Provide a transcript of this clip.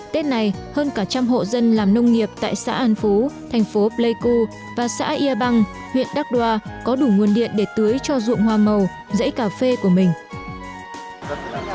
tết này hơn cả trăm hộ dân làm nông nghiệp tại xã an phú thành phố pleiku và xã ia bang huyện đắc đoa có đủ nguồn điện để tưới cho ruộng hoa màu dãy cà phê của mình